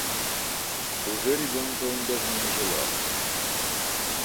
Уже ребенка он давно не желал.